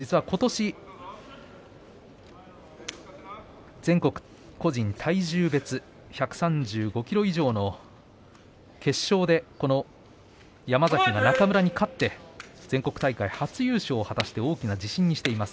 大学では、１対１実は今年全国個人体重別１３５ｋｇ以上の決勝で、この山崎は中村に勝って全国大会初優勝を果たして大きな自信にしています。